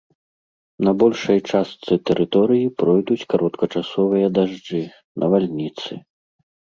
На большай частцы тэрыторыі пройдуць кароткачасовыя дажджы, навальніцы.